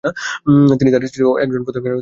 তিনি তার স্ত্রীর একজন অনুরাগী প্রশংসাকারী ছিলেন।